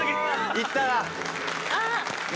行ったな、今。